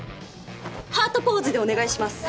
ハートポーズでお願いします！